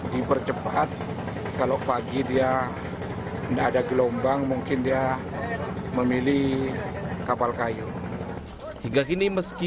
dipercepat kalau pagi dia enggak ada gelombang mungkin dia memilih kapal kayu hingga kini meski